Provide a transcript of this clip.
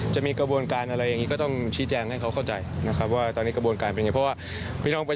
จะมีกระบวนการอะไรอย่างนี้ก็ต้องชี้แจงให้เขาเข้าใจนะครับว่าตอนนี้กระบวนการเป็นยังไงเพราะว่าพี่น้องไป